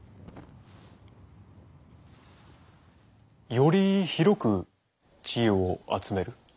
より広く知恵を集める。